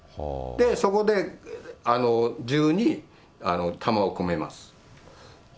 そこで銃に弾をこめます。